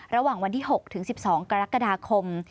ระหว่างวันที่๖ถึง๑๒กรกฎาคม